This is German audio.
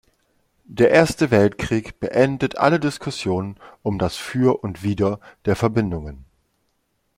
Der Erste Weltkrieg beendet alle Diskussionen um das Für und Wider der Verbindungen.